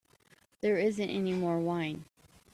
There isn't any more wine.